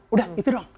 udah itu dong